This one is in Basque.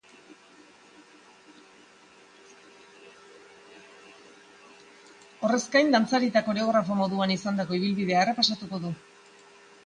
Horrez gain, dantzari eta koreografo moduan izandako ibilbidea errepasatuko du.